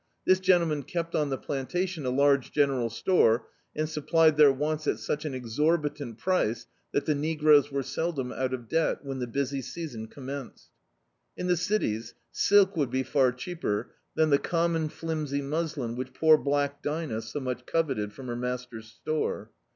This gentleman kept on the plantation a large general store, and supplied their wants at sjich an exorbitant price that tiie ne groes were seld<Hn out of debt, when the busy sea son commenced. In the cities, stlk would be far cheaper than the common flimsy muslin which poor black Dinah so much coveted from her master's store.